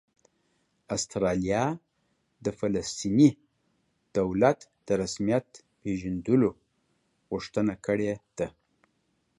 استرالیا د فلسطیني دولت د رسمیت پېژندلو غوښتنه کړې ده